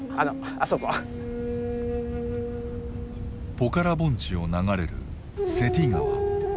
ポカラ盆地を流れるセティ川。